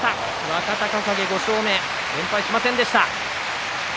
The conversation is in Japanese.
若隆景５勝目、連敗しませんでした。